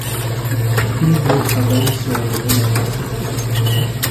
Plus de travaillent sur la nouvelle infrastructure.